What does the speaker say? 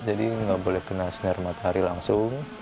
jadi nggak boleh kena sinar matahari langsung